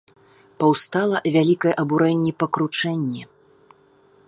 Паўстала вялікае абурэнне па кручэнні.